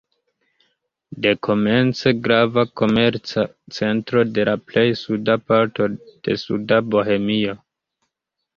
Dekomence grava komerca centro de la plej suda parto de Suda Bohemio.